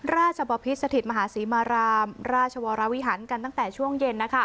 ราชบพิษสถิตมหาศรีมารามราชวรวิหารกันตั้งแต่ช่วงเย็น